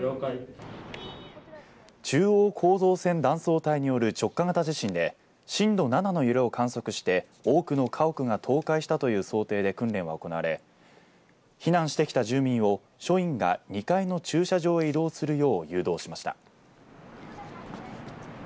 中央構造線断層帯による直下型地震で震度７の揺れを観測して多くの家屋が倒壊したという想定で訓練は行われ避難して来た住民を署員が２階の駐車場へ移動するよう誘導しました。